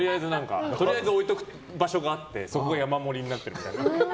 とりあえず置いとく場所があってそこが山盛りになってるみたいな。